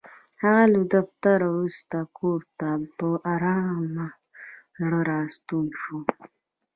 هغه له دفتره وروسته کور ته په ارامه زړه راستون شو.